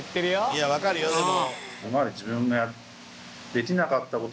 いや分かるよでも。